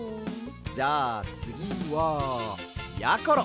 じゃあつぎはやころ！